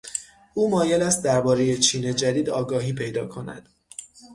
او مایل است دربارهٔ چین جدید آگاهی پیدا کند.